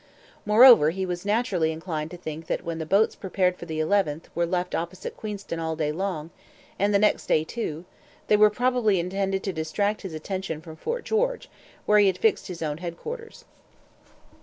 Moreover, he was naturally inclined to think that when the boats prepared for the 11th were left opposite Queenston all day long, and all the next day too, they were probably intended to distract his attention from Fort George, where he had fixed his own headquarters.